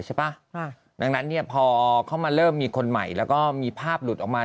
ใช่ป่ะดังนั้นเนี่ยพอเขามาเริ่มมีคนใหม่แล้วก็มีภาพหลุดออกมา